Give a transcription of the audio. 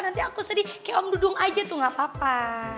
nanti aku sedih kayak om dudung aja tuh gak apa apa